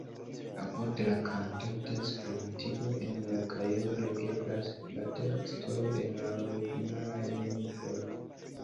Apud la kantata esperantigo, en la kajero legeblas la tekstoj en la originalaj lingvoj.